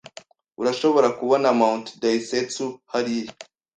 Urashobora kubona Mt. Daisetsu hariya?